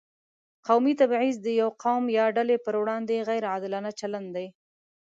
قومي تبعیض د یو قوم یا ډلې پر وړاندې غیر عادلانه چلند دی.